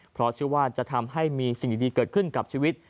เพราะเชื่อว่าจะทำให้มีสิ่งดีเกิดขึ้นกับชีวิต